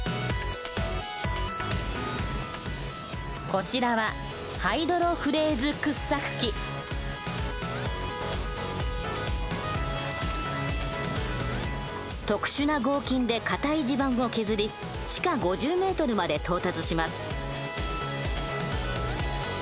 こちらは特殊な合金で固い地盤を削り地下５０ｍまで到達します。